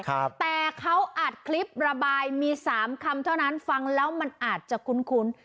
แต่เขาอัดคลิประบายมีสามคำเท่านั้นฟังแล้วมันอาจจะคุ้น